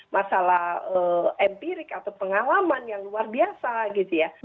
masalah empirik atau pengalaman yang luar biasa gitu ya